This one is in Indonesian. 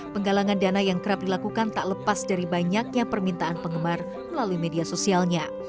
penggalangan dana yang kerap dilakukan tak lepas dari banyaknya permintaan penggemar melalui media sosialnya